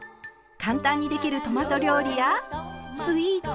簡単にできるトマト料理やスイーツ。